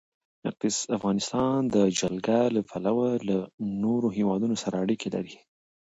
افغانستان د جلګه له پلوه له نورو هېوادونو سره اړیکې لري.